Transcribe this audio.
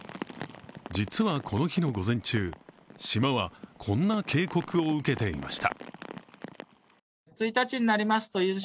実はこの日の午前中、島はこんな警告を受けていました。